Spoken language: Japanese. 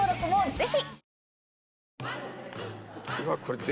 ぜひ。